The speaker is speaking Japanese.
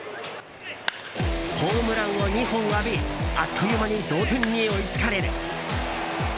ホームランを２本浴びあっという間に同点に追いつかれる。